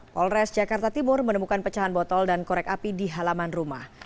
polres jakarta timur menemukan pecahan botol dan korek api di halaman rumah